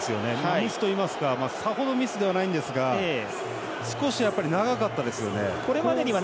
ミスといいますかさほどミスではないんですが少し長かったですよね。